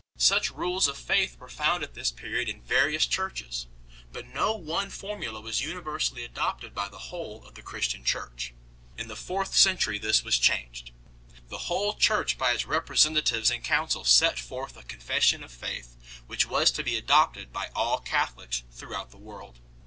Such Rules of Faith were found at this period in various Churches, but no one formula was universally adopted by the whole of the Christian Church, In the fourth century this was changed. The whole Church by its representatives in council set forth a confession of faith 4 which was to be adopted by all Catholics throughout the world.